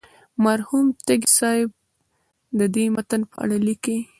مرحوم تږی صاحب د دې متن په اړه لیکي.